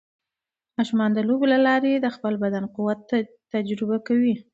ماشومان د لوبو له لارې د خپل بدن قوت تجربه کوي.